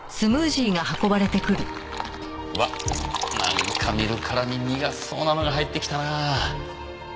うわっなんか見るからに苦そうなのが入ってきたなあ。